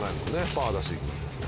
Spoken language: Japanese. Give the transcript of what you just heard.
パー出していきます。